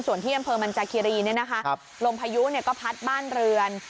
ส่วนที่อำเภอมันจาคิรีลมพายุก็พัดบ้านเรือน